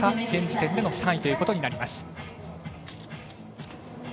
現時点での３位ということになります。